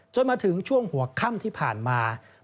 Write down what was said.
จนมาถึงช่วงหัวค่ำที่ผ่านมา